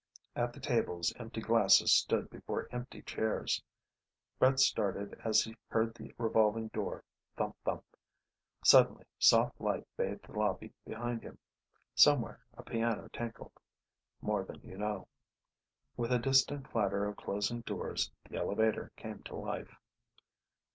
At the tables empty glasses stood before empty chairs. Brett started as he heard the revolving door thump thump. Suddenly soft light bathed the lobby behind him. Somewhere a piano tinkled More Than You Know. With a distant clatter of closing doors the elevator came to life.